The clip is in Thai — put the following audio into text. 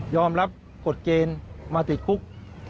รับกฎเกณฑ์มาติดคุก